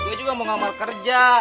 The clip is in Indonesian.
gue juga mau ngelamar kerja